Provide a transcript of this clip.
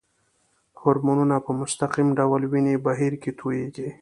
هورمونونه په مستقیم ډول وینې بهیر کې تویېږي.